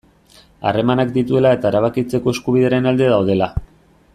Harremanak dituela eta erabakitzeko eskubidearen alde daudela.